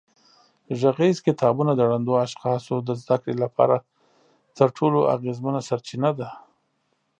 غږیز کتابونه د ړندو اشخاصو د زده کړې لپاره تر ټولو اغېزمنه سرچینه ده.